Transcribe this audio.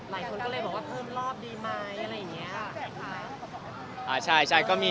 หลายคนก็เลยบอกว่าเพิ่มรอบดีไหมอะไรอย่างนี้